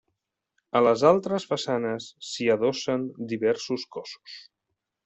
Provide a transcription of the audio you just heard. A les altres façanes s'hi adossen diversos cossos.